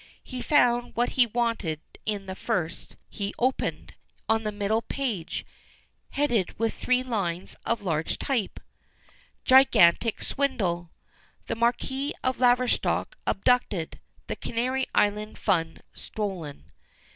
He found what he wanted in the first he opened, on the middle page, headed with three lines of large type: GIGANTIC SWINDLE. THE MARQUIS OF LAVERSTOCK ABDUCTED. THE CANARY ISLAND FUND STOLEN.